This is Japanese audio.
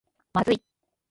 まずい